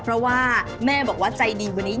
เพราะว่าแม่บอกว่าใจดีกว่านี้